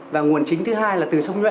và nguồn chính thứ hai là từ sông nhuệ